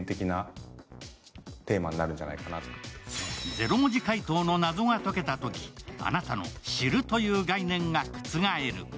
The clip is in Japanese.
０文字解答の謎が解けたとき、あなたの知るという概念が覆る。